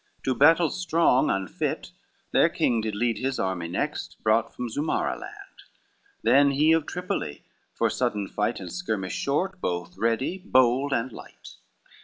To battle strong unfit, their king did lead His army next brought from Zumara land. Then he of Tripoli, for sudden fight And skirmish short, both ready, bold, and light.